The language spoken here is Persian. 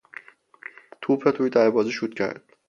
توپ را توی دروازه شوت کرد.